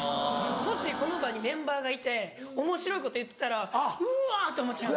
もしこの場にメンバーがいておもしろいこと言ってたらうわ！って思っちゃいます。